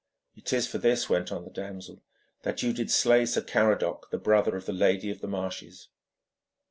'It is for this,' went on the damsel, 'that you did slay Sir Caradoc, the brother of the Lady of the Marshes.'